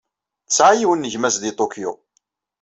Tesɛa yiwen n gma-s deg Tokyo.